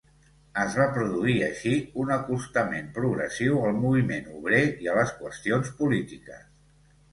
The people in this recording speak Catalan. Es va produir així un acostament progressiu al moviment obrer i a les qüestions polítiques.